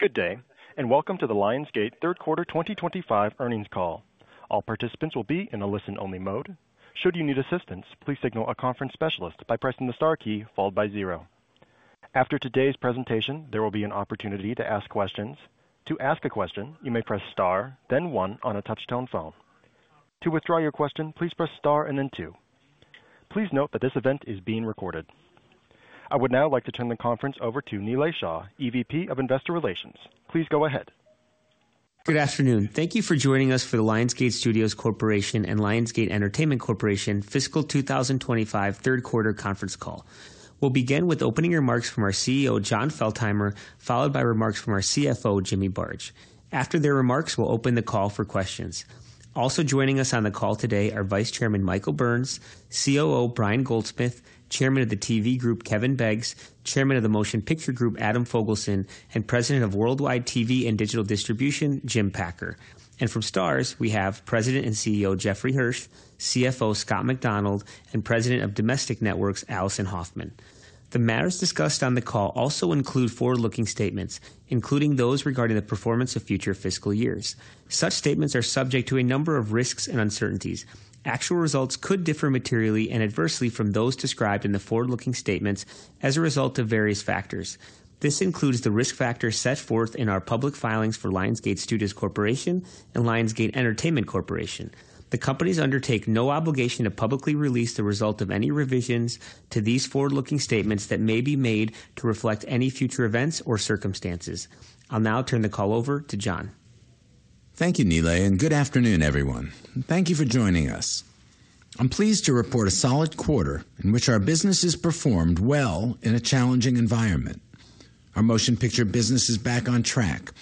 Good day, and welcome to the Lionsgate Q3 2025 earnings call. All participants will be in a listen-only mode. Should you need assistance, please signal a conference specialist by pressing the star key followed by zero. After today's presentation, there will be an opportunity to ask questions. To ask a question, you may press star, then one on a touch-tone phone. To withdraw your question, please press star and then two. Please note that this event is being recorded. I would now like to turn the conference over to Nilay Shah, EVP of Investor Relations. Please go ahead. Good afternoon. Thank you for joining us for the Lionsgate Studios Corporation and Lionsgate Entertainment Corporation Fiscal 2025 Q3 conference call. We'll begin with opening remarks from our CEO, Jon Feltheimer, followed by remarks from our CFO, Jimmy Barge. After their remarks, we'll open the call for questions. Also joining us on the call today are Vice Chairman Michael Burns, COO Brian Goldsmith, Chairman of the TV Group Kevin Beggs, Chairman of the Motion Picture Group Adam Fogelson, and President of Worldwide TV and Digital Distribution, Jim Packer, and from Starz, we have President and CEO Jeffrey Hirsch, CFO Scott MacDonald, and President of Domestic Networks Alison Hoffman. The matters discussed on the call also include forward-looking statements, including those regarding the performance of future fiscal years. Such statements are subject to a number of risks and uncertainties. Actual results could differ materially and adversely from those described in the forward-looking statements as a result of various factors. This includes the risk factors set forth in our public filings for Lionsgate Studios Corporation and Lionsgate Entertainment Corporation. The companies undertake no obligation to publicly release the result of any revisions to these forward-looking statements that may be made to reflect any future events or circumstances. I'll now turn the call over to Jon. Thank you, Nilay, and good afternoon, everyone. Thank you for joining us. I'm pleased to report a solid quarter in which our business has performed well in a challenging environment. Our motion picture business is back on track,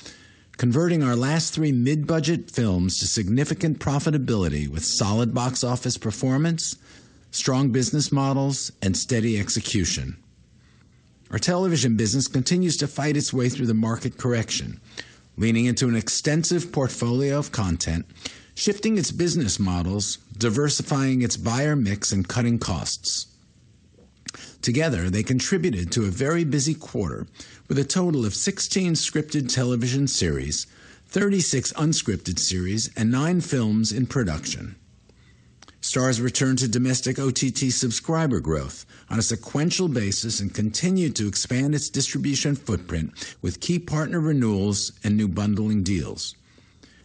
converting our last three mid-budget films to significant profitability with solid box office performance, strong business models, and steady execution. Our television business continues to fight its way through the market correction, leaning into an extensive portfolio of content, shifting its business models, diversifying its buyer mix, and cutting costs. Together, they contributed to a very busy quarter with a total of 16 scripted television series, 36 unscripted series, and nine films in production. Starz returned to domestic OTT subscriber growth on a sequential basis and continue to expand its distribution footprint with key partner renewals and new bundling deals.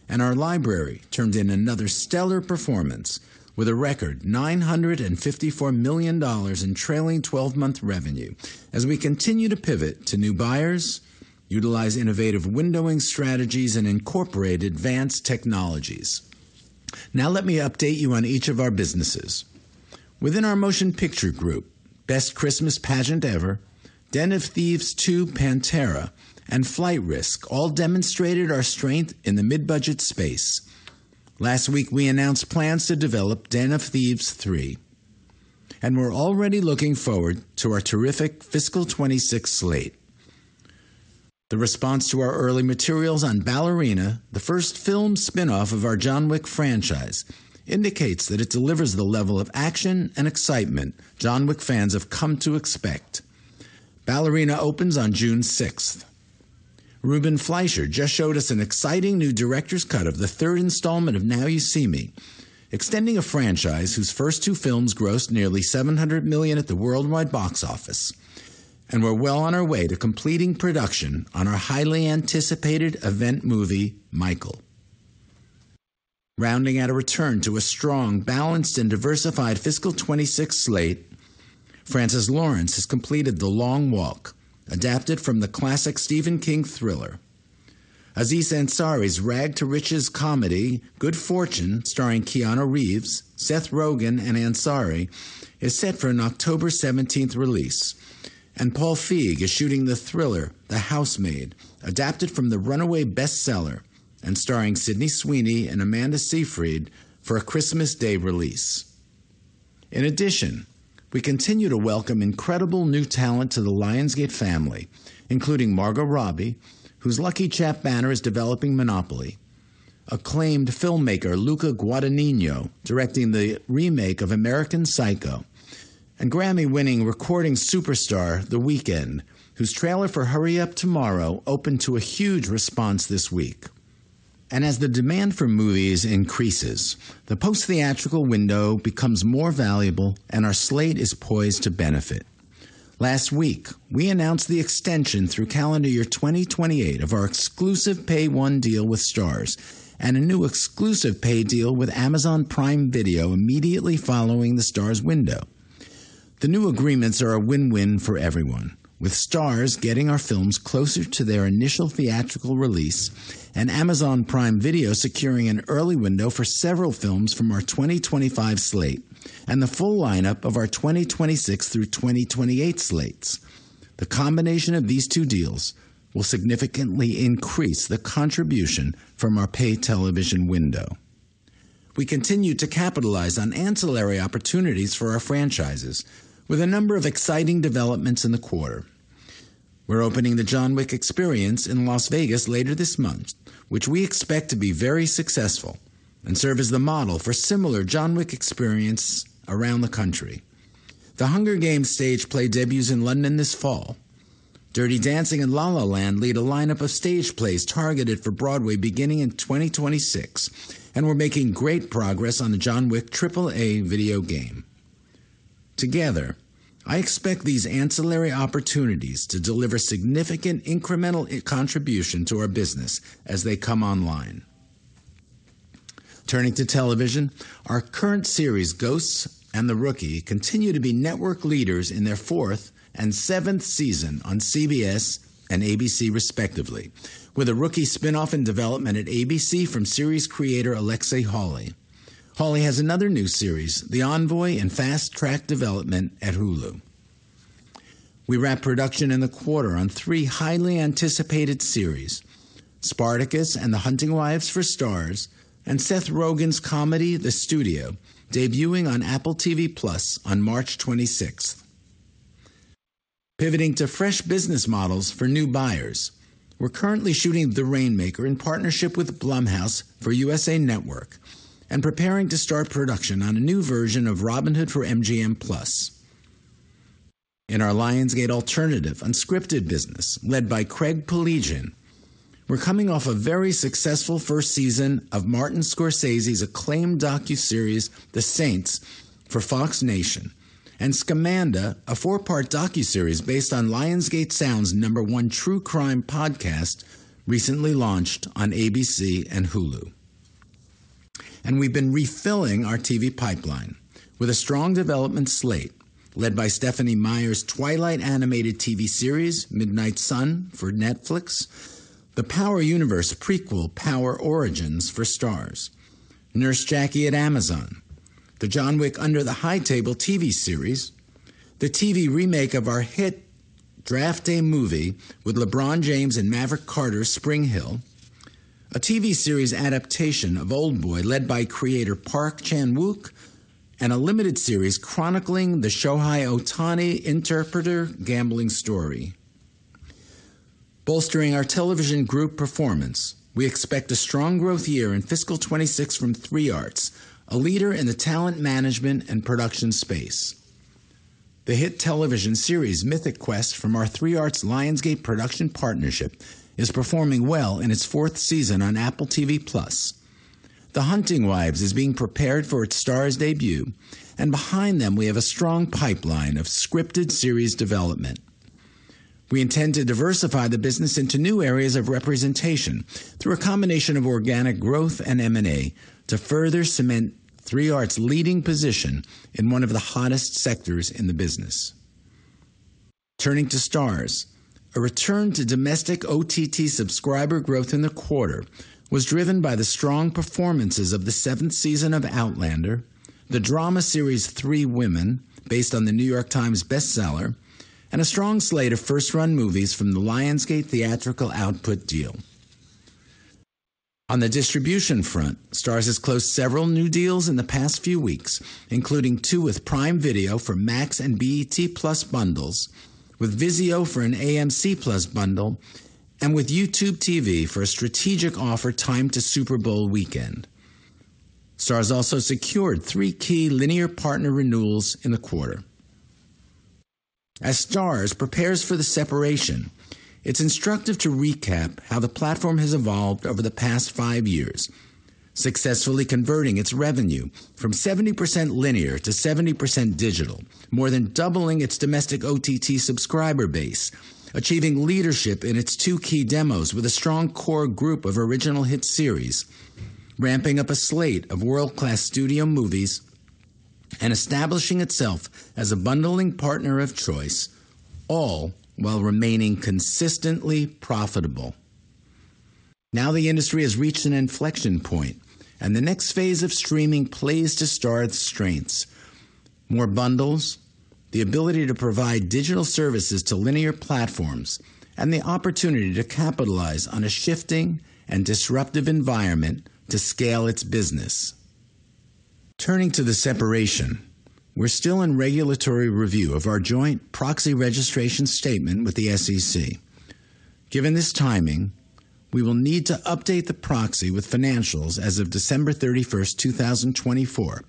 Our library turned in another stellar performance with a record $954 million in trailing 12-month revenue as we continue to pivot to new buyers, utilize innovative windowing strategies, and incorporate advanced technologies. Now let me update you on each of our businesses. Within our motion picture group, Best Christmas Pageant Ever, Den of Thieves 2: Pantera, and Flight Risk all demonstrated our strength in the mid-budget space. Last week, we announced plans to develop Den of Thieves 3, and we're already looking forward to our terrific fiscal 2026 slate. The response to our early materials on Ballerina, the first film spinoff of our John Wick franchise, indicates that it delivers the level of action and excitement John Wick fans have come to expect. Ballerina opens on June 6th. Ruben Fleischer just showed us an exciting new director's cut of the third installment of Now You See Me, extending a franchise whose first two films grossed nearly $700 million at the worldwide box office, and we're well on our way to completing production on our highly anticipated event movie, Michael. Rounding out a return to a strong, balanced, and diversified Fiscal 2026 slate, Francis Lawrence has completed The Long Walk, adapted from the classic Stephen King thriller. Aziz Ansari's rag-to-riches comedy, Good Fortune, starring Keanu Reeves, Seth Rogen, and Ansari, is set for an October 17th release, and Paul Feig is shooting the thriller, The Housemaid, adapted from the runaway bestseller and starring Sydney Sweeney and Amanda Seyfried for a Christmas Day release. In addition, we continue to welcome incredible new talent to the Lionsgate family, including Margot Robbie, whose LuckyChap banner is developing Monopoly, acclaimed filmmaker Luca Guadagnino directing the remake of American Psycho, and Grammy-winning recording superstar The Weeknd, whose trailer for Hurry Up Tomorrow opened to a huge response this week, and as the demand for movies increases, the post-theatrical window becomes more valuable, and our slate is poised to benefit. Last week, we announced the extension through calendar year 2028 of our exclusive pay-one deal with Starz and a new exclusive pay-one deal with Amazon Prime Video immediately following the Starz window. The new agreements are a win-win for everyone, with Starz getting our films closer to their initial theatrical release and Amazon Prime Video securing an early window for several films from our 2025 slate and the full lineup of our 2026 through 2028 slates. The combination of these two deals will significantly increase the contribution from our pay television window. We continue to capitalize on ancillary opportunities for our franchises with a number of exciting developments in the quarter. We're opening the John Wick Experience in Las Vegas later this month, which we expect to be very successful and serve as the model for similar John Wick Experiences around the country. The Hunger Games stage play debuts in London this fall. Dirty Dancing and La La Land lead a lineup of stage plays targeted for Broadway beginning in 2026, and we're making great progress on the John Wick AAA video game. Together, I expect these ancillary opportunities to deliver significant incremental contributions to our business as they come online. Turning to television, our current series Ghosts and The Rookie continue to be network leaders in their fourth and seventh season on CBS and ABC, respectively, with a Rookie spinoff in development at ABC from series creator Alexi Hawley. Hawley has another new series, The Envoy, in fast-track development at Hulu. We wrap production in the quarter on three highly anticipated series, Spartacus and The Hunting Wives for Starz, and Seth Rogen's comedy The Studio, debuting on Apple TV+ on March 26th. Pivoting to fresh business models for new buyers, we're currently shooting The Rainmaker in partnership with Blumhouse for USA Network and preparing to start production on a new version of Robin Hood for MGM+. In our Lionsgate alternative unscripted business led by Craig Piligian, we're coming off a very successful first season of Martin Scorsese's acclaimed docuseries The Saints for Fox Nation and Scamanda, a four-part docuseries based on Lionsgate Sound's number one true crime podcast recently launched on ABC and Hulu, and we've been refilling our TV pipeline with a strong development slate led by Stephenie Meyer's Twilight animated TV series, Midnight Sun for Netflix, the Power Universe prequel, Power Origins for Starz, Nurse Jackie at Amazon, the John Wick Under the High Table TV series, the TV remake of our hit Draft Day movie with LeBron James and Maverick Carter SpringHill, a TV series adaptation of Oldboy led by creator Park Chan-wook, and a limited series chronicling the Shohei Ohtani interpreter gambling story. Bolstering our television group performance, we expect a strong growth year in Fiscal 2026 from 3 Arts, a leader in the talent management and production space. The hit television series Mythic Quest from our 3 Arts Lionsgate production partnership is performing well in its fourth season on Apple TV+. The Hunting Wives is being prepared for its Starz debut, and behind them, we have a strong pipeline of scripted series development. We intend to diversify the business into new areas of representation through a combination of organic growth and M&A to further cement 3 Arts' leading position in one of the hottest sectors in the business. Turning to Starz, a return to domestic OTT subscriber growth in the quarter was driven by the strong performances of the seventh season of Outlander, the drama series Three Women based on the New York Times bestseller, and a strong slate of first-run movies from the Lionsgate Theatrical Output deal. On the distribution front, Starz has closed several new deals in the past few weeks, including two with Prime Video for Max and BET+ bundles, with Vizio for an AMC+ bundle, and with YouTube TV for a strategic offer timed to Super Bowl weekend. Starz also secured three key linear partner renewals in the quarter. As Starz prepares for the separation, it's instructive to recap how the platform has evolved over the past five years, successfully converting its revenue from 70% linear to 70% digital, more than doubling its domestic OTT subscriber base, achieving leadership in its two key demos with a strong core group of original hit series, ramping up a slate of world-class studio movies, and establishing itself as a bundling partner of choice, all while remaining consistently profitable. Now the industry has reached an inflection point, and the next phase of streaming plays to Starz's strengths: more bundles, the ability to provide digital services to linear platforms, and the opportunity to capitalize on a shifting and disruptive environment to scale its business. Turning to the separation, we're still in regulatory review of our joint proxy registration statement with the SEC. Given this timing, we will need to update the proxy with financials as of December 31st, 2024,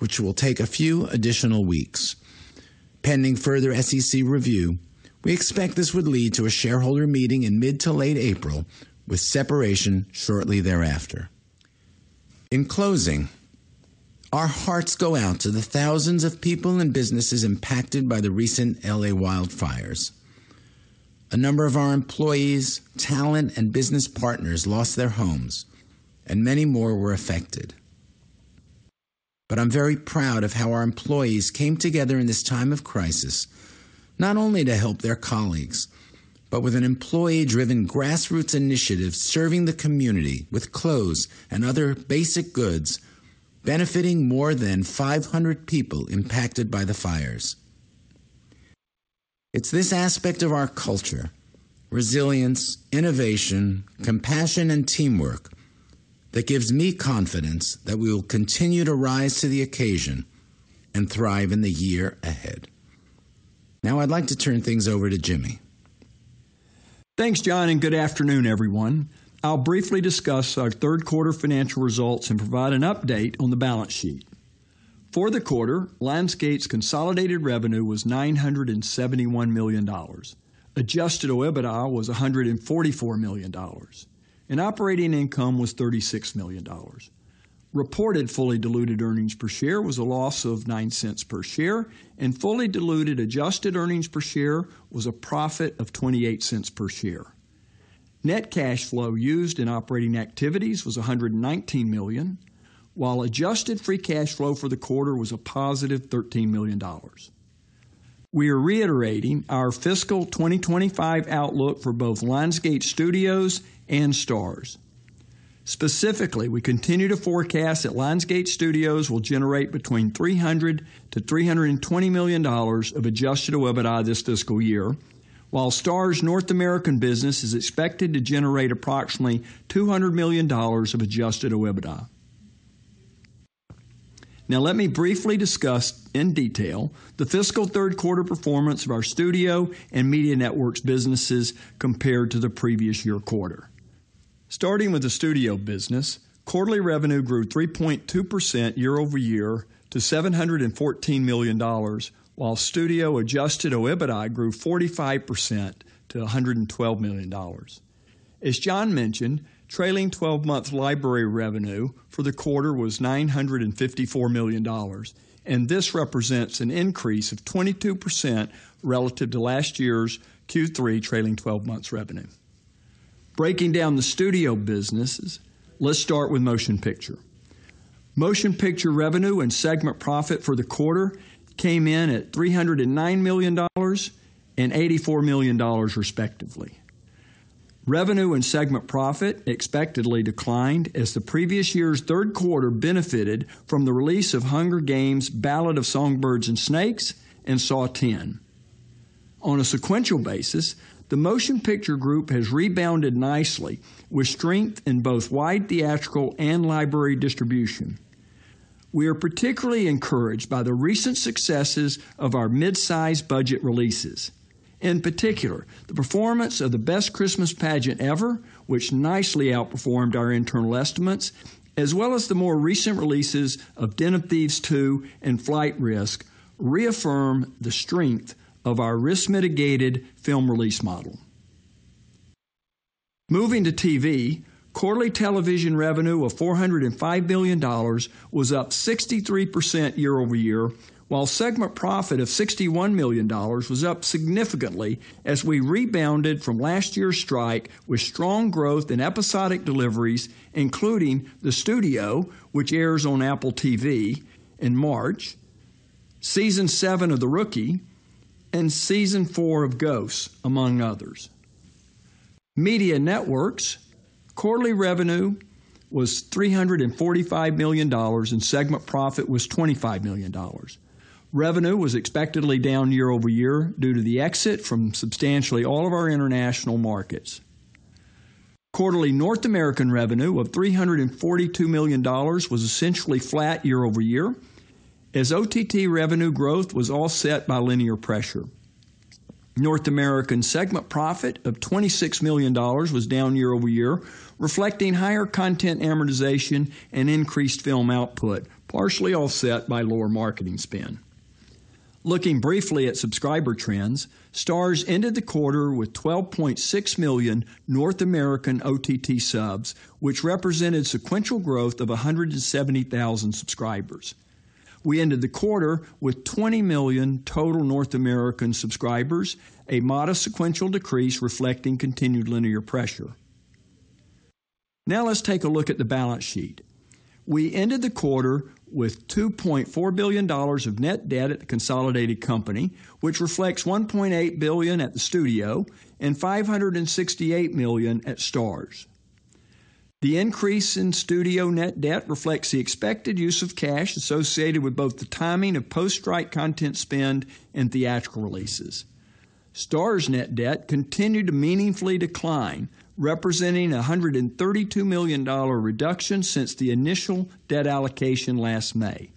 which will take a few additional weeks. Pending further SEC review, we expect this would lead to a shareholder meeting in mid to late April with separation shortly thereafter. In closing, our hearts go out to the thousands of people and businesses impacted by the recent L.A. wildfires. A number of our employees, talent, and business partners lost their homes, and many more were affected, but I'm very proud of how our employees came together in this time of crisis, not only to help their colleagues, but with an employee-driven grassroots initiative serving the community with clothes and other basic goods, benefiting more than 500 people impacted by the fires. It's this aspect of our culture, resilience, innovation, compassion, and teamwork, that gives me confidence that we will continue to rise to the occasion and thrive in the year ahead. Now I'd like to turn things over to Jimmy. Thanks, Jon, and good afternoon, everyone. I'll briefly discuss our third quarter financial results and provide an update on the balance sheet. For the quarter, Lionsgate's consolidated revenue was $971 million. Adjusted EBITDA was $144 million, and operating income was $36 million. Reported fully diluted earnings per share was a loss of $0.09 per share, and fully diluted adjusted earnings per share was a profit of $0.28 per share. Net cash flow used in operating activities was $119 million, while adjusted free cash flow for the quarter was a positive $13 million. We are reiterating our fiscal 2025 outlook for both Lionsgate Studios and Starz. Specifically, we continue to forecast that Lionsgate Studios will generate between $300-$320 million of adjusted EBITDA this fiscal year, while Starz North American Business is expected to generate approximately $200 million of adjusted EBITDA. Now let me briefly discuss in detail the fiscal third quarter performance of our studio and media networks businesses compared to the previous year quarter. Starting with the studio business, quarterly revenue grew 3.2% year over year to $714 million, while studio adjusted EBITDA grew 45% to $112 million. As Jon mentioned, trailing 12-month library revenue for the quarter was $954 million, and this represents an increase of 22% relative to last year's Q3 trailing 12-month revenue. Breaking down the studio businesses, let's start with motion picture. Motion picture revenue and segment profit for the quarter came in at $309 million and $84 million, respectively. Revenue and segment profit expectedly declined as the previous year's third quarter benefited from the release of The Hunger Games: The Ballad of Songbirds and Snakes and Saw X. On a sequential basis, the motion picture group has rebounded nicely with strength in both wide theatrical and library distribution. We are particularly encouraged by the recent successes of our mid-size budget releases. In particular, the performance of The Best Christmas Pageant Ever, which nicely outperformed our internal estimates, as well as the more recent releases of Den of Thieves 2 and Flight Risk, reaffirm the strength of our risk-mitigated film release model. Moving to TV, quarterly television revenue of $405 million was up 63% year over year, while segment profit of $61 million was up significantly as we rebounded from last year's strike with strong growth in episodic deliveries, including The Studio, which airs on Apple TV in March, Season 7 of The Rookie, and Season 4 of Ghosts, among others. Media networks quarterly revenue was $345 million and segment profit was $25 million. Revenue was expectedly down year over year due to the exit from substantially all of our international markets. Quarterly North American revenue of $342 million was essentially flat year over year as OTT revenue growth was offset by linear pressure. North American segment profit of $26 million was down year over year, reflecting higher content amortization and increased film output, partially offset by lower marketing spend. Looking briefly at subscriber trends, Starz ended the quarter with 12.6 million North American OTT subs, which represented sequential growth of 170,000 subscribers. We ended the quarter with 20 million total North American subscribers, a modest sequential decrease reflecting continued linear pressure. Now let's take a look at the balance sheet. We ended the quarter with $2.4 billion of net debt at the consolidated company, which reflects $1.8 billion at the studio and $568 million at Starz. The increase in studio net debt reflects the expected use of cash associated with both the timing of post-strike content spend and theatrical releases. Starz net debt continued to meaningfully decline, representing a $132 million reduction since the initial debt allocation last May.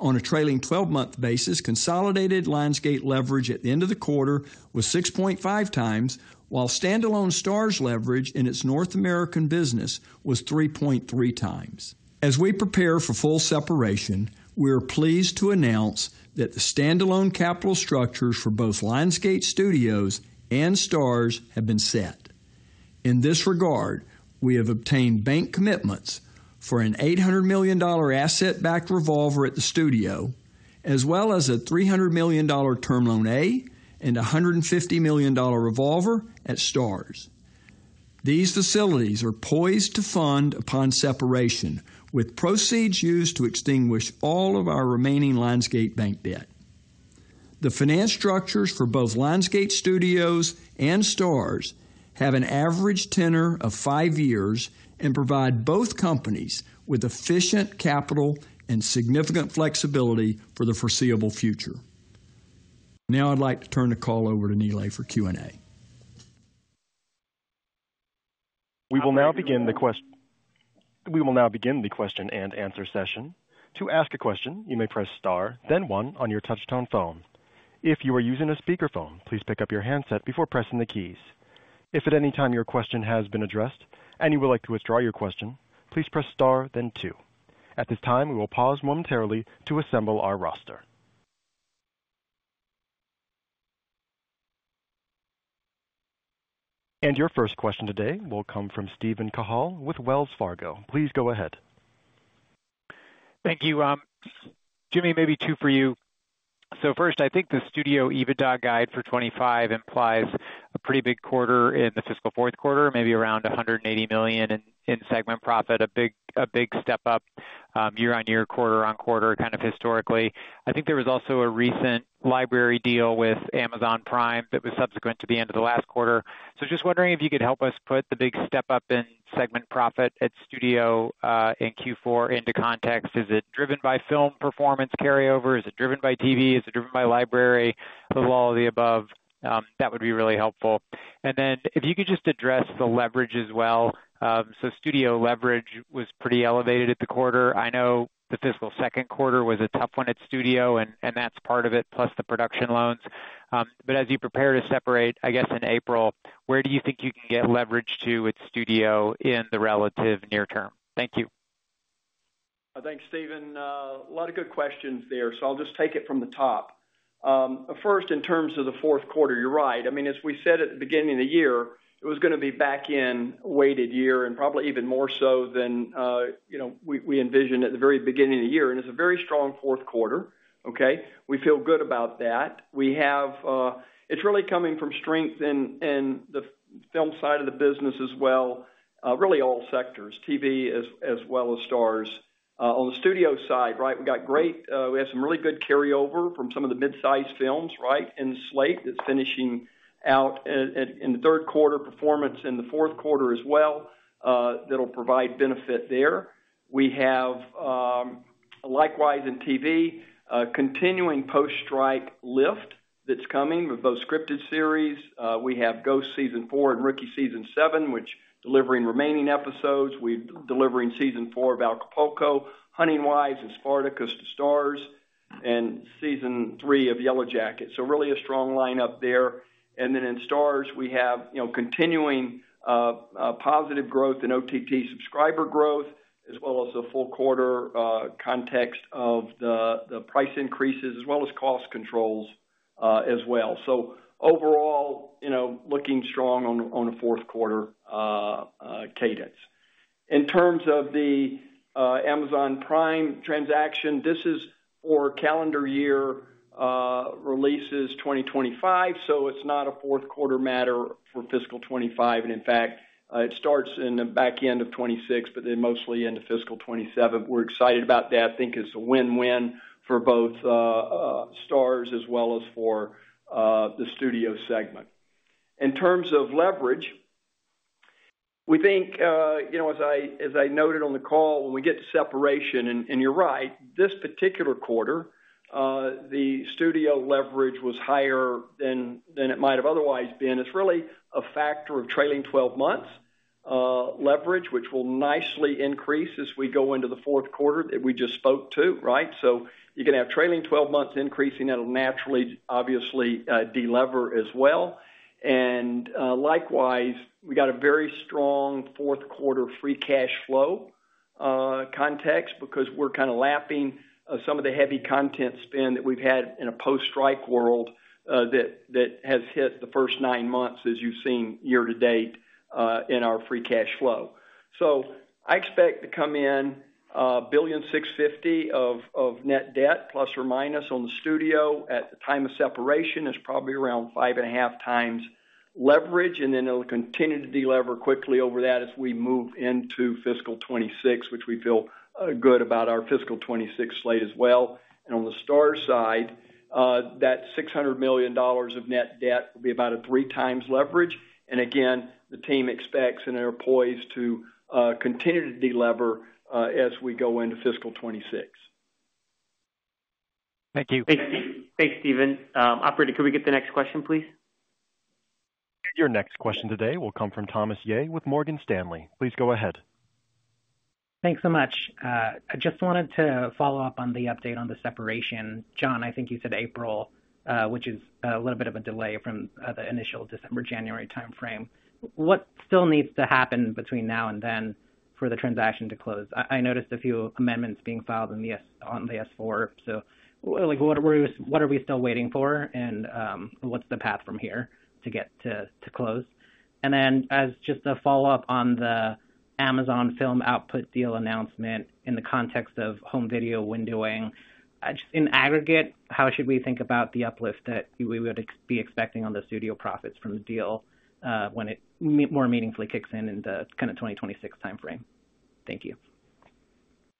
On a trailing 12-month basis, consolidated Lionsgate leverage at the end of the quarter was 6.5 times, while standalone Starz leverage in its North American business was 3.3 times. As we prepare for full separation, we are pleased to announce that the standalone capital structures for both Lionsgate Studios and Starz have been set. In this regard, we have obtained bank commitments for an $800 million asset-backed revolver at the studio, as well as a $300 million term loan A and a $150 million revolver at Starz. These facilities are poised to fund upon separation, with proceeds used to extinguish all of our remaining Lionsgate bank debt. The finance structures for both Lionsgate Studios and Starz have an average tenor of five years and provide both companies with efficient capital and significant flexibility for the foreseeable future. Now I'd like to turn the call over to Nilay for Q&A. We will now begin the question and answer session. To ask a question, you may press Star, then 1 on your touch-tone phone. If you are using a speakerphone, please pick up your handset before pressing the keys. If at any time your question has been addressed and you would like to withdraw your question, please press Star, then 2. At this time, we will pause momentarily to assemble our roster. Your first question today will come from Steven Cahall with Wells Fargo. Please go ahead. Thank you. Jimmy, maybe two for you. So first, I think the studio EBITDA guide for 2025 implies a pretty big quarter in the fiscal fourth quarter, maybe around $180 million in segment profit, a big step up year on year, quarter on quarter, kind of historically. I think there was also a recent library deal with Amazon Prime that was subsequent to the end of the last quarter. So just wondering if you could help us put the big step up in segment profit at studio in Q4 into context. Is it driven by film performance carryover? Is it driven by TV? Is it driven by library? A little all of the above. That would be really helpful. And then if you could just address the leverage as well. So studio leverage was pretty elevated at the quarter. I know the fiscal second quarter was a tough one at studio, and that's part of it, plus the production loans. But as you prepare to separate, I guess in April, where do you think you can get leverage down at studio in the relatively near term? Thank you. Thanks, Stephen. A lot of good questions there. So I'll just take it from the top. First, in terms of the fourth quarter, you're right. I mean, as we said at the beginning of the year, it was going to be back-end weighted year and probably even more so than we envisioned at the very beginning of the year. And it's a very strong fourth quarter. Okay? We feel good about that. It's really coming from strength in the film side of the business as well, really all sectors, TV as well as Starz. On the studio side, right, we have some really good carryover from some of the mid-size films, right, in slate that's finishing out in the third quarter, performance in the fourth quarter as well that'll provide benefit there. We have, likewise in TV, continuing post-strike lift that's coming with both scripted series. We have Ghosts season 4 and Rookie season 7, which are delivering remaining episodes. We're delivering season 4 of Acapulco, Hunting Wives, and Spartacus to Starz, and season 3 of Yellowjackets. So really a strong lineup there. And then in Starz, we have continuing positive growth in OTT subscriber growth, as well as the full quarter context of the price increases, as well as cost controls as well. So overall, looking strong on a fourth quarter cadence. In terms of the Amazon Prime transaction, this is for calendar year releases 2025, so it's not a fourth quarter matter for fiscal 2025. And in fact, it starts in the back end of 2026, but then mostly into fiscal 2027. We're excited about that. I think it's a win-win for both Starz as well as for the studio segment. In terms of leverage, we think, as I noted on the call, when we get to separation, and you're right, this particular quarter, the studio leverage was higher than it might have otherwise been. It's really a factor of trailing 12 months leverage, which will nicely increase as we go into the fourth quarter that we just spoke to, right? So you're going to have trailing 12 months increasing that will naturally, obviously, delever as well. And likewise, we got a very strong fourth quarter free cash flow context because we're kind of lapping some of the heavy content spend that we've had in a post-strike world that has hit the first nine months, as you've seen year to date in our free cash flow. So I expect to come in $1,650,000 of net debt, plus or minus, on the studio at the time of separation. It is probably around five and a half times leverage. And then it will continue to delever quickly over that as we move into fiscal 2026, which we feel good about our fiscal 2026 slate as well. And on the Starz side, that $600 million of net debt will be about a three times leverage. And again, the team expects and are poised to continue to delever as we go into fiscal 2026. Thank you. Thanks, Stephen. Operator, could we get the next question, please? Your next question today will come from Thomas Yeh with Morgan Stanley. Please go ahead. Thanks so much. I just wanted to follow up on the update on the separation. Jon, I think you said April, which is a little bit of a delay from the initial December, January timeframe. What still needs to happen between now and then for the transaction to close? I noticed a few amendments being filed on the S-4. So what are we still waiting for? And what's the path from here to get to close? And then as just a follow-up on the Amazon film output deal announcement in the context of home video windowing, just in aggregate, how should we think about the uplift that we would be expecting on the studio profits from the deal when it more meaningfully kicks in in the kind of 2026 timeframe? Thank you.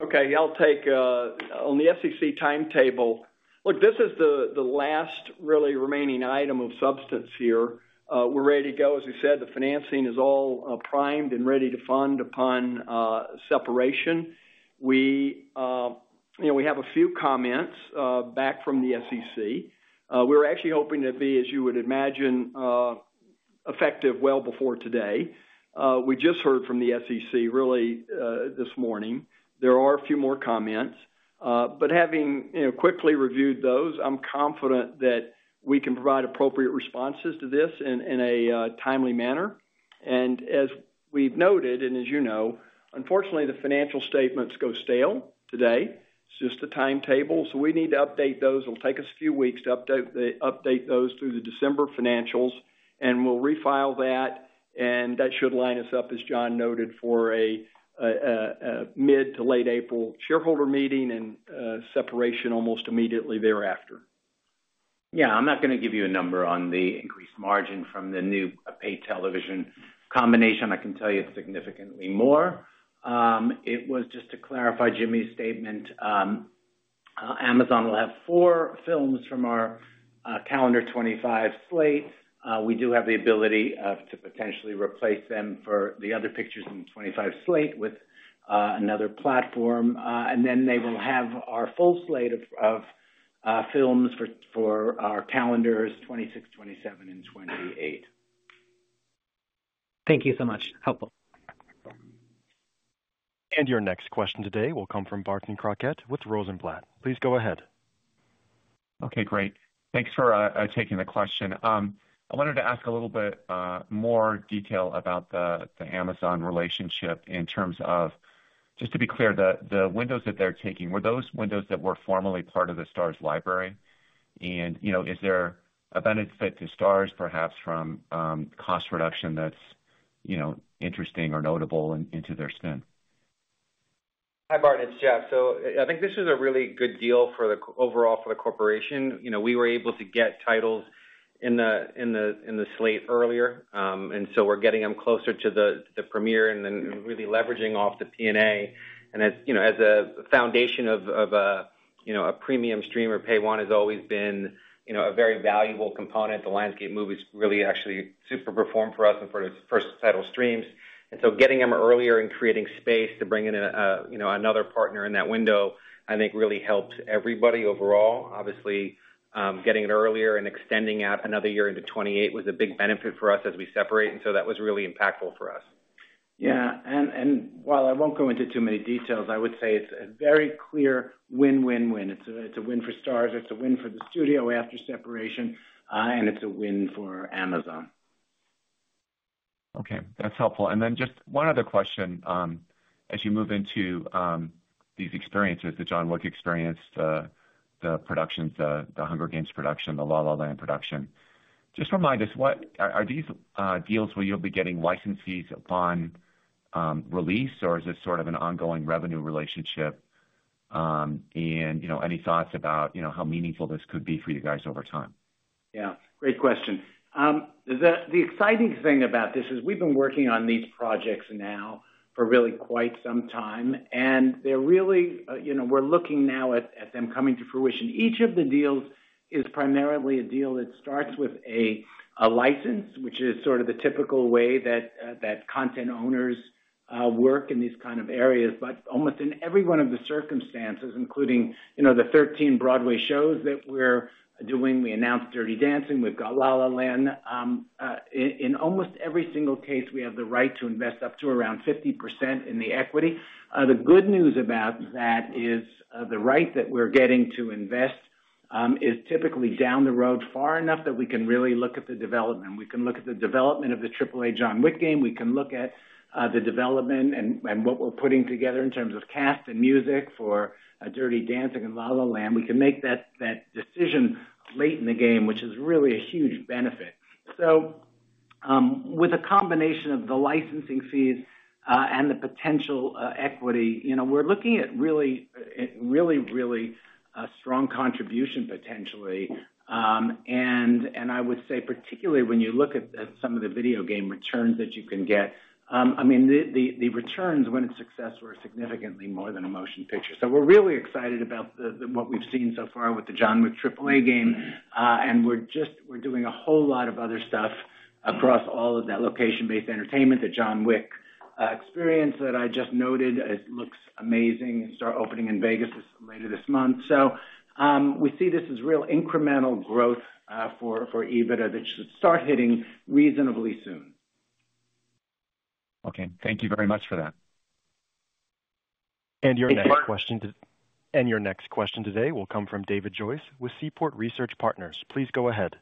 Okay. I'll take on the SEC timetable. Look, this is the last really remaining item of substance here. We're ready to go. As we said, the financing is all primed and ready to fund upon separation. We have a few comments back from the SEC. We were actually hoping to be, as you would imagine, effective well before today. We just heard from the SEC really this morning. There are a few more comments, but having quickly reviewed those, I'm confident that we can provide appropriate responses to this in a timely manner, and as we've noted, and as you know, unfortunately, the financial statements go stale today. It's just a timetable, so we need to update those. It'll take us a few weeks to update those through the December financials, and we'll refile that. That should line us up, as Jon noted, for a mid to late April shareholder meeting and separation almost immediately thereafter. Yeah. I'm not going to give you a number on the increased margin from the new pay television combination. I can tell you it's significantly more. It was just to clarify Jimmy's statement. Amazon will have four films from our calendar 2025 slate. We do have the ability to potentially replace them for the other pictures in 2025 slate with another platform. And then they will have our full slate of films for our calendars 2026, 2027, and 2028. Thank you so much. Helpful. Your next question today will come from Barton Crockett with Rosenblatt. Please go ahead. Okay. Great. Thanks for taking the question. I wanted to ask a little bit more detail about the Amazon relationship in terms of just to be clear, the windows that they're taking, were those windows that were formerly part of the Starz library? And is there a benefit to Starz, perhaps, from cost reduction that's interesting or notable into their spend? Hi, Martin. It's Jeff. So I think this is a really good deal overall for the corporation. We were able to get titles in the slate earlier. And so we're getting them closer to the premiere and then really leveraging off the P&A. And as a foundation of a premium streamer, PayOne has always been a very valuable component. The Lionsgate movie has really actually super performed for us and for its first title streams. And so getting them earlier and creating space to bring in another partner in that window, I think, really helps everybody overall. Obviously, getting it earlier and extending out another year into 2028 was a big benefit for us as we separate. And so that was really impactful for us. Yeah. And while I won't go into too many details, I would say it's a very clear win-win-win. It's a win for Starz. It's a win for the studio after separation, and it's a win for Amazon. Okay. That's helpful. And then just one other question. As you move into these experiences, the John Wick Experience, the productions, the Hunger Games production, the La La Land production, just remind us, are these deals where you'll be getting licensing fees upon release, or is this sort of an ongoing revenue relationship? And any thoughts about how meaningful this could be for you guys over time? Yeah. Great question. The exciting thing about this is we've been working on these projects now for really quite some time. And we're looking now at them coming to fruition. Each of the deals is primarily a deal that starts with a license, which is sort of the typical way that content owners work in these kind of areas. But almost in every one of the circumstances, including the 13 Broadway shows that we're doing, we announced Dirty Dancing, we've got La La Land. In almost every single case, we have the right to invest up to around 50% in the equity. The good news about that is the right that we're getting to invest is typically down the road far enough that we can really look at the development. We can look at the development of the AAA John Wick game. We can look at the development and what we're putting together in terms of cast and music for Dirty Dancing and La La Land. We can make that decision late in the game, which is really a huge benefit. So with a combination of the licensing fees and the potential equity, we're looking at really, really, really strong contribution potentially. And I would say, particularly when you look at some of the video game returns that you can get, I mean, the returns when it's successful are significantly more than a motion picture. So we're really excited about what we've seen so far with the John Wick AAA game. And we're doing a whole lot of other stuff across all of that location-based entertainment, the John Wick Experience that I just noted. It looks amazing. It's opening in Vegas later this month. So we see this as real incremental growth for EBITDA that should start hitting reasonably soon. Okay. Thank you very much for that. And your next question today will come from David Joyce with Seaport Research Partners. Please go ahead.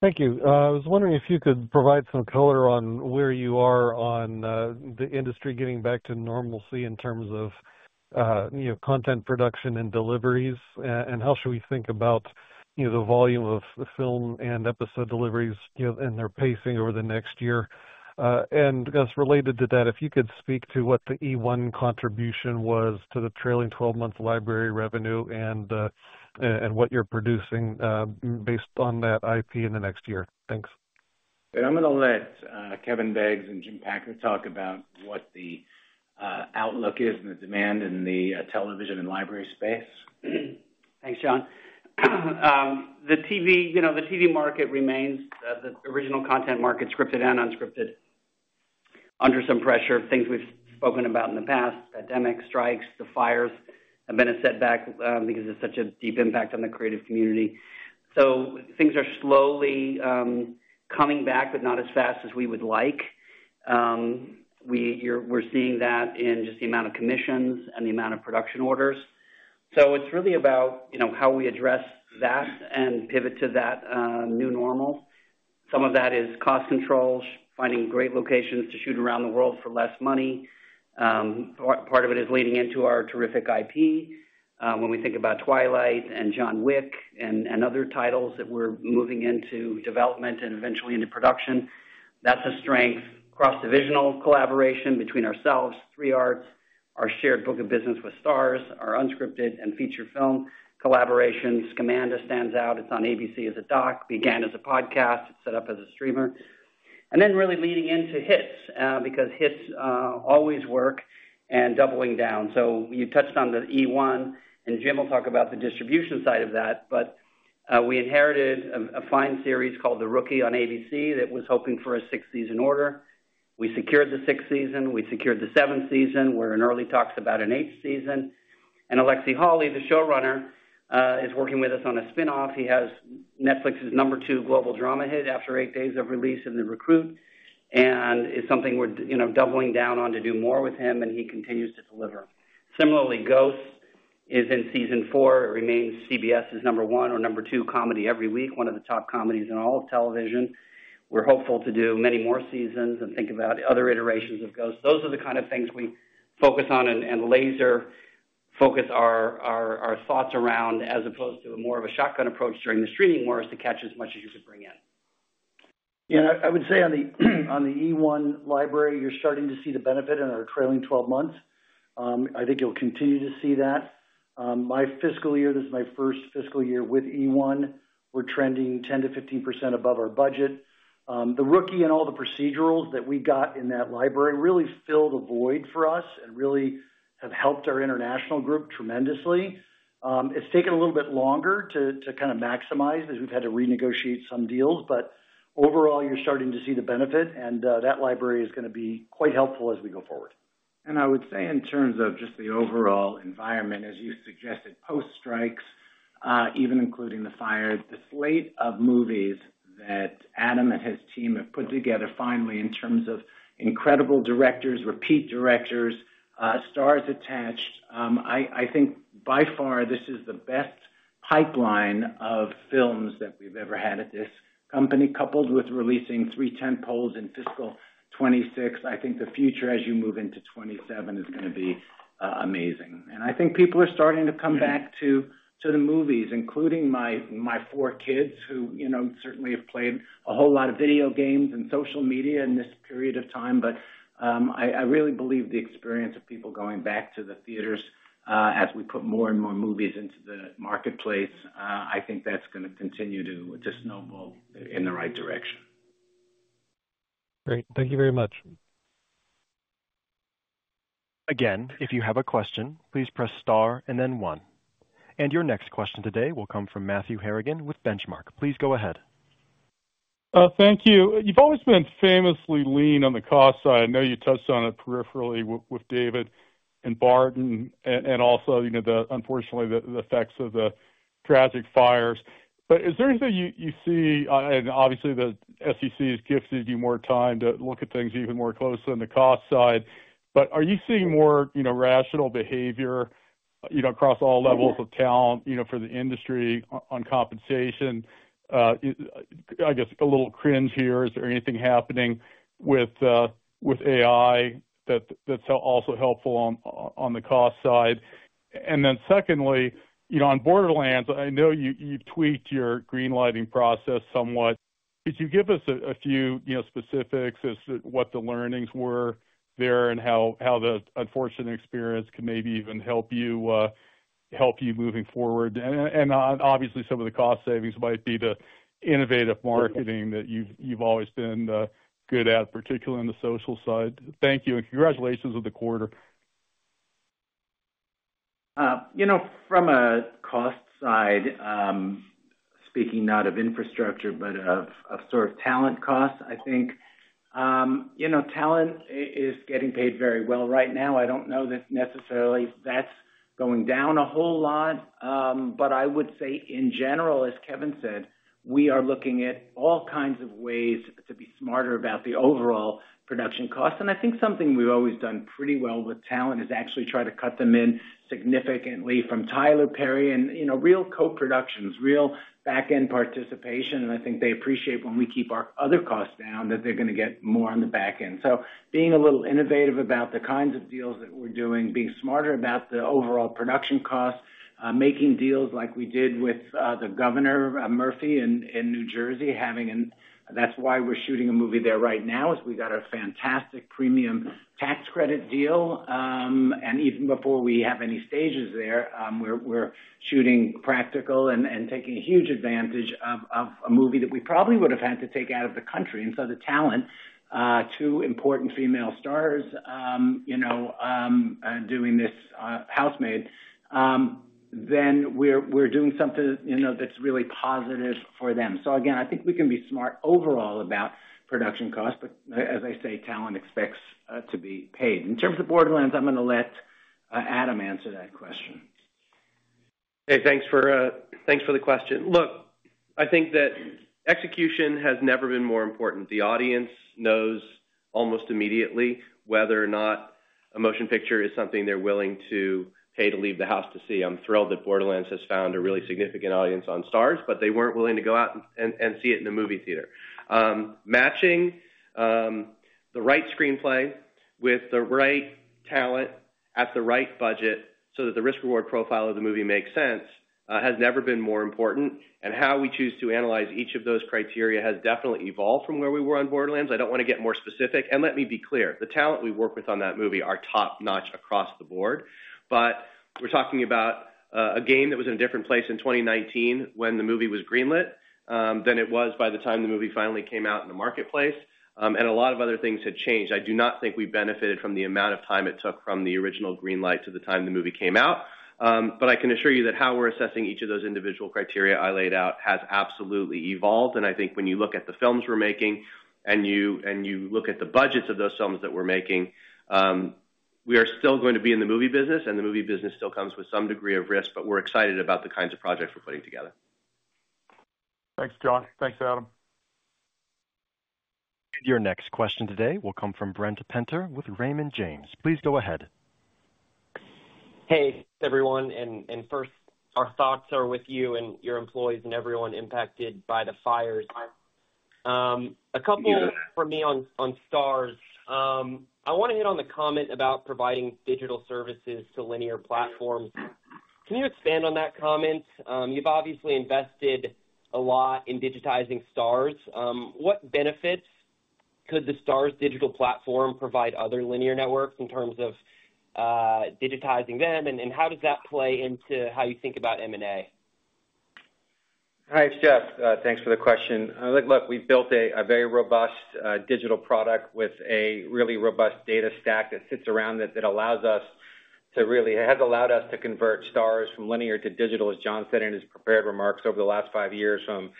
Thank you. I was wondering if you could provide some color on where you are on the industry getting back to normalcy in terms of content production and deliveries, and how should we think about the volume of film and episode deliveries and their pacing over the next year? And as related to that, if you could speak to what the eOne contribution was to the trailing 12-month library revenue and what you're producing based on that IP in the next year? Thanks. I'm going to let Kevin Beggs and Jim Packer talk about what the outlook is and the demand in the television and library space. Thanks, Jon. The TV market remains the original content market, scripted and unscripted, under some pressure from things we've spoken about in the past: pandemic, strikes. The fires have been a setback because it's such a deep impact on the creative community. Things are slowly coming back, but not as fast as we would like. We're seeing that in just the amount of commissions and the amount of production orders. It's really about how we address that and pivot to that new normal. Some of that is cost controls, finding great locations to shoot around the world for less money. Part of it is leaning into our terrific IP. When we think about Twilight and John Wick and other titles that we're moving into development and eventually into production, that's a strength. Cross-divisional collaboration between ourselves, 3 Arts, our shared book of business with Starz, our unscripted and feature film collaborations. Scamanda stands out. It's on ABC as a doc, began as a podcast, set up as a streamer. Then really leading into hits because hits always work and doubling down. You touched on the E1, and Jim will talk about the distribution side of that. We inherited a fine series called The Rookie on ABC that was hoping for a six-season order. We secured the sixth season. We secured the seventh season. We're in early talks about an eighth season. Alexi Hawley, the showrunner, is working with us on a spinoff. He has Netflix's number two global drama hit after eight days of release in The Recruit. It's something we're doubling down on to do more with him, and he continues to deliver. Similarly, Ghosts is in season four. It remains CBS's number one or number two comedy every week, one of the top comedies in all of television. We're hopeful to do many more seasons and think about other iterations of Ghosts. Those are the kind of things we focus on and laser-focus our thoughts around as opposed to more of a shotgun approach during the streaming wars to catch as much as you could bring in. Yeah. I would say on the E1 library, you're starting to see the benefit in our trailing 12 months. I think you'll continue to see that. My fiscal year, this is my first fiscal year with E1. We're trending 10%-15% above our budget. The Rookie and all the procedurals that we got in that library really filled a void for us and really have helped our international group tremendously. It's taken a little bit longer to kind of maximize because we've had to renegotiate some deals. But overall, you're starting to see the benefit. And that library is going to be quite helpful as we go forward. I would say in terms of just the overall environment, as you suggested, post-strikes, even including the fire, the slate of movies that Adam and his team have put together finally in terms of incredible directors, repeat directors, stars attached, I think by far this is the best pipeline of films that we've ever had at this company. Coupled with releasing three tentpoles in fiscal 2026, I think the future as you move into 2027 is going to be amazing. I think people are starting to come back to the movies, including my four kids who certainly have played a whole lot of video games and social media in this period of time. I really believe the experience of people going back to the theaters as we put more and more movies into the marketplace, I think that's going to continue to snowball in the right direction. Great. Thank you very much. Again, if you have a question, please press star and then one. And your next question today will come from Matthew Harrigan with Benchmark. Please go ahead. Thank you. You've always been famously lean on the cost side. I know you touched on it peripherally with David and Barton and also unfortunately the effects of the tragic fires. But is there anything you see? And obviously, the FCC has gifted you more time to look at things even more closely on the cost side. But are you seeing more rational behavior across all levels of talent for the industry on compensation? I guess a little cringe here. Is there anything happening with AI that's also helpful on the cost side? And then secondly, on Borderlands, I know you've tweaked your greenlighting process somewhat. Could you give us a few specifics as to what the learnings were there and how the unfortunate experience can maybe even help you moving forward? And obviously, some of the cost savings might be the innovative marketing that you've always been good at, particularly on the social side. Thank you. And congratulations with the quarter. From a cost side, speaking not of infrastructure, but of sort of talent costs, I think talent is getting paid very well right now. I don't know that necessarily that's going down a whole lot, but I would say, in general, as Kevin said, we are looking at all kinds of ways to be smarter about the overall production cost. I think something we've always done pretty well with talent is actually try to cut them in significantly from Tyler Perry and real co-productions, real back-end participation. I think they appreciate when we keep our other costs down that they're going to get more on the back end. Being a little innovative about the kinds of deals that we're doing, being smarter about the overall production cost, making deals like we did with the Governor Murphy in New Jersey. That's why we're shooting a movie there right now, is we got a fantastic premium tax credit deal, and even before we have any stages there, we're shooting practical and taking a huge advantage of a movie that we probably would have had to take out of the country, and so the talent, two important female stars doing The Housemaid, then we're doing something that's really positive for them, so again, I think we can be smart overall about production costs, but as I say, talent expects to be paid. In terms of Borderlands, I'm going to let Adam answer that question. Hey, thanks for the question. Look, I think that execution has never been more important. The audience knows almost immediately whether or not a motion picture is something they're willing to pay to leave the house to see. I'm thrilled that Borderlands has found a really significant audience on Starz, but they weren't willing to go out and see it in a movie theater. Matching the right screenplay with the right talent at the right budget so that the risk-reward profile of the movie makes sense has never been more important, and how we choose to analyze each of those criteria has definitely evolved from where we were on Borderlands. I don't want to get more specific, and let me be clear. The talent we work with on that movie are top-notch across the board. But we're talking about a game that was in a different place in 2019 when the movie was greenlit than it was by the time the movie finally came out in the marketplace. And a lot of other things had changed. I do not think we benefited from the amount of time it took from the original greenlight to the time the movie came out. But I can assure you that how we're assessing each of those individual criteria I laid out has absolutely evolved. And I think when you look at the films we're making and you look at the budgets of those films that we're making, we are still going to be in the movie business. And the movie business still comes with some degree of risk. But we're excited about the kinds of projects we're putting together. Thanks, Jon. Thanks, Adam. Your next question today will come from Brent Penter with Raymond James. Please go ahead. Hey, everyone. And first, our thoughts are with you and your employees and everyone impacted by the fires. A couple for me on Starz. I want to hit on the comment about providing digital services to linear platforms. Can you expand on that comment? You've obviously invested a lot in digitizing Starz. What benefits could the Starz digital platform provide other linear networks in terms of digitizing them? And how does that play into how you think about M&A? Hi, Jeff. Thanks for the question. Look, we've built a very robust digital product with a really robust data stack that sits around that has allowed us to convert Starz from linear to digital, as Jon said in his prepared remarks over the last five years, from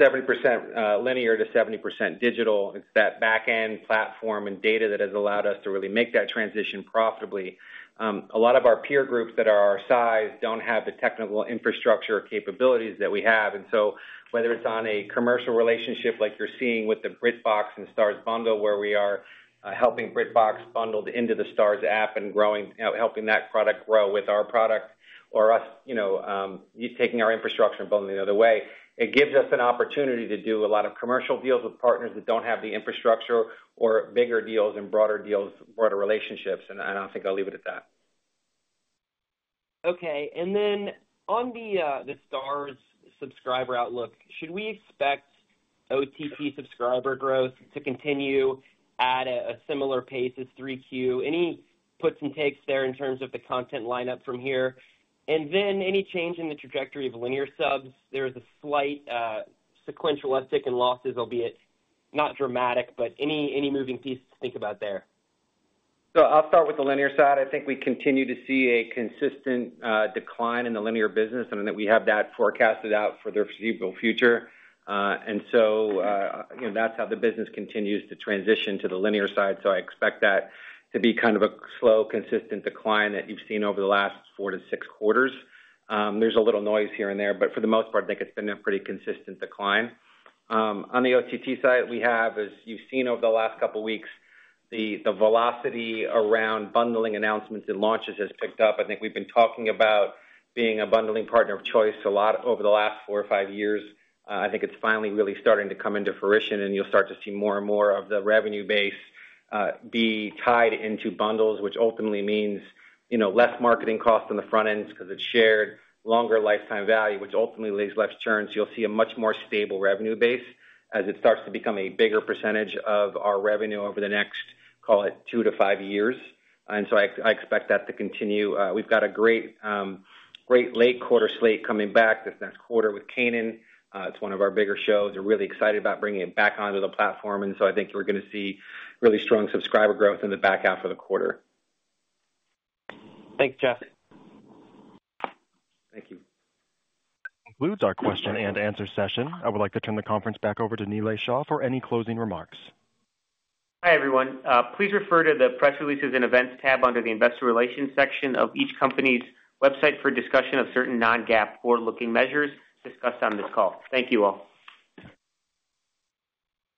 70% linear to 70% digital. It's that back-end platform and data that has allowed us to really make that transition profitably. A lot of our peer groups that are our size don't have the technical infrastructure capabilities that we have. And so whether it's on a commercial relationship like you're seeing with the BritBox and Starz Bundle, where we are helping BritBox bundle into the Starz app and helping that product grow with our product or us taking our infrastructure and building it the other way, it gives us an opportunity to do a lot of commercial deals with partners that don't have the infrastructure or bigger deals and broader deals, broader relationships. And I think I'll leave it at that. Okay. And then on the Starz subscriber outlook, should we expect OTT subscriber growth to continue at a similar pace as 3Q? Any puts and takes there in terms of the content lineup from here? And then any change in the trajectory of linear subs? There is a slight sequential uptick in losses, albeit not dramatic, but any moving pieces to think about there? I'll start with the linear side. I think we continue to see a consistent decline in the linear business. I think we have that forecasted out for the foreseeable future. That's how the business continues to transition to the linear side. I expect that to be kind of a slow, consistent decline that you've seen over the last four to six quarters. There's a little noise here and there. For the most part, I think it's been a pretty consistent decline. On the OTT side, we have, as you've seen over the last couple of weeks, the velocity around bundling announcements and launches has picked up. I think we've been talking about being a bundling partner of choice a lot over the last four or five years. I think it's finally really starting to come into fruition. And you'll start to see more and more of the revenue base be tied into bundles, which ultimately means less marketing cost on the front end because it's shared, longer lifetime value, which ultimately leaves less churn. So you'll see a much more stable revenue base as it starts to become a bigger percentage of our revenue over the next, call it, two to five years. And so I expect that to continue. We've got a great late quarter slate coming back this next quarter with Kanan. It's one of our bigger shows. We're really excited about bringing it back onto the platform. And so I think we're going to see really strong subscriber growth in the back half of the quarter. Thanks, Jeff. Thank you. That concludes our question and answer session. I would like to turn the conference back over to Nilay Shah for any closing remarks. Hi, everyone. Please refer to the press releases and events tab under the investor relations section of each company's website for discussion of certain non-GAAP forward-looking measures discussed on this call. Thank you all.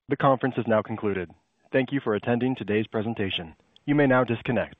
The conference is now concluded. Thank you for attending today's presentation. You may now disconnect.